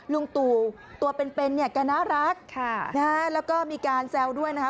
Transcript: ลุงตู่ตัวเป็นเนี่ยแกน่ารักแล้วก็มีการแซวด้วยนะคะ